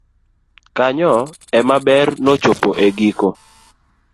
kanyo ema ber nochopo e giko